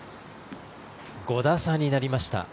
５打差になりました。